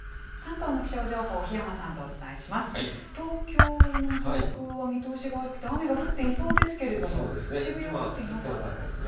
東京の上空は見通しが悪くて、雨が降っていそうですけれども、降ってなかったですね。